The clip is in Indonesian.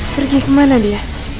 pergi kemana dia